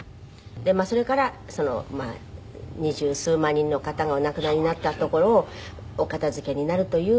でそれから二十数万人の方がお亡くなりになった所をお片付けになるという。